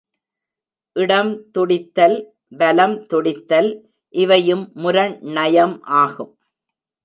இடம் துடித்தல் வலம் துடித்தல் இவையும் முரண் நயம் ஆகும்.